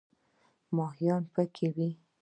ماهیان پکې وي.